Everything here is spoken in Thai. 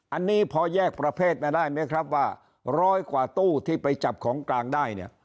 อันนี้พอแยกประเภทมาได้ไหมครับว่าร้อยกว่าตู้ที่ไปจับของกลางได้เนี่ย